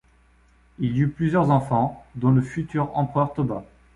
Il eut plusieurs enfants, dont le futur empereur Toba.